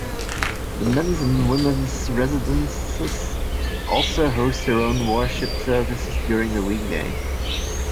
The men's and women's residences also host their own worship services during the weekday.